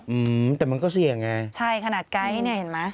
อืมแต่มันก็เสี่ยงไงใช่ขนาดไกด์เนี่ยเห็นไหม